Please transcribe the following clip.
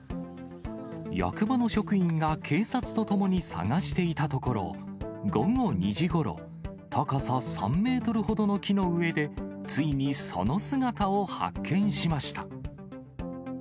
役場の職員が警察と共に捜していたところ、午後２時ごろ、高さ３メートルほどの木の上で、ついにその姿を発見しました。